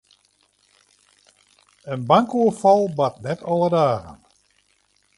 In bankoerfal bart net alle dagen.